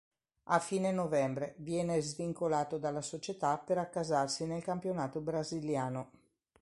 A fine novembre viene svincolato dalla società per accasarsi nel campionato brasiliano.